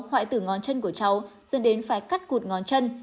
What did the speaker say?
hoại tử ngón chân của cháu dẫn đến phải cắt cụt ngón chân